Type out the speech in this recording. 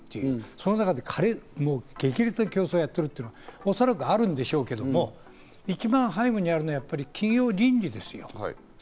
その中で激烈な競争をやってる、おそらくあるんでしょうけど一番背後にあるのは企業倫理です。